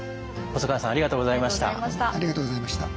細川さんありがとうございました。